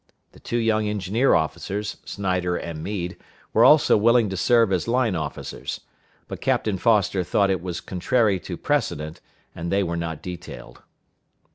The two young engineer officers, Snyder and Meade, were also willing to serve as line officers; but Captain Foster thought it was contrary to precedent, and they were not detailed.